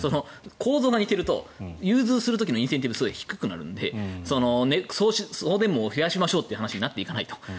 構造が似ていると融通する時のインセンティブがすごい低くなるので送電網を増やしましょうという話になっていかないと。